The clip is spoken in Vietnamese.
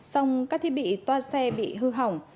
xong các thiết bị toa xe bị hư hỏng